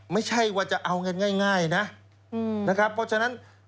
ไม่ใช่ว่าจะเอาเงินง่ายนะนะครับเพราะฉะนั้น